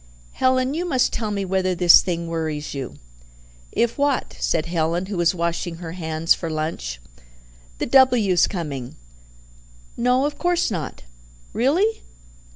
"Helen, you must tell me whether this thing worries you." "If what?" said Helen, who was washing her hands for lunch. "The W.'s coming." "No, of course not." "Really?"